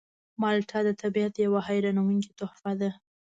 مالټه د طبیعت یوه حیرانوونکې تحفه ده.